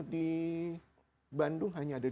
di bandung hanya ada